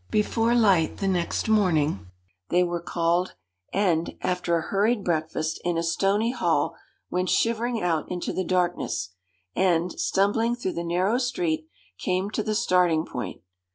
Before light the next morning they were called, and, after a hurried breakfast in a stony hall, went shivering out into the darkness, and, stumbling through the narrow street, came to the starting point.